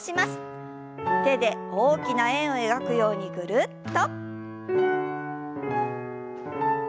手で大きな円を描くようにぐるっと。